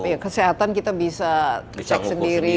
ya kesehatan kita bisa cek sendiri